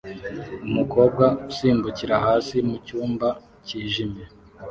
Umukobwa usimbukira hasi mucyumba cyijimye